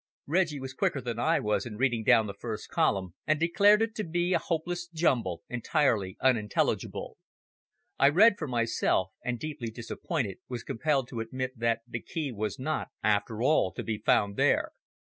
Reggie was quicker than I was in reading down the first column and declared it to be a hopeless jumble entirely unintelligible. I read for myself, and, deeply disappointed, was compelled to admit that the key was not, after all, to be found there.